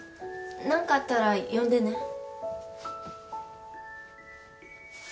何かあったら呼んでね。